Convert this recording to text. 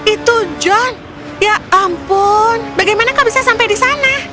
itu john ya ampun bagaimana kamu bisa sampai di sana